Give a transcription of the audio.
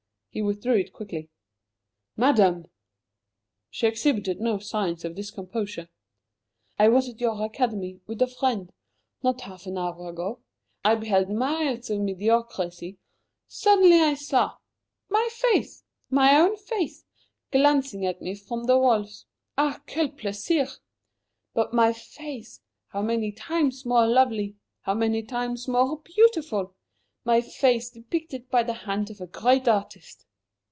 He withdrew it quickly. "Madame!" She exhibited no signs of discomposure. "I was at your Academy, with a friend not half an hour ago. I beheld miles of mediocrity. Suddenly I saw my face! my own face! glancing at me from the walls! Ah, quel plaisir! But my face how many times more lovely! How many times more beautiful! My face depicted by the hand of a great artist!